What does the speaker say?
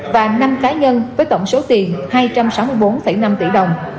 và năm cá nhân với tổng số tiền hai trăm sáu mươi bốn năm tỷ đồng